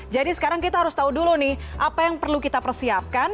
jadi sekarang kita harus tahu dulu nih apa yang perlu kita persiapkan